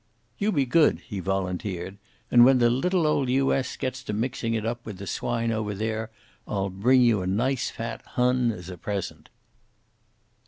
"You be good," he volunteered, "and when the little old U.S. gets to mixing up with the swine over there, I'll bring you a nice fat Hun as a present."